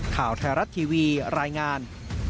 ข่าวไทยรัฐทีวีรายงาน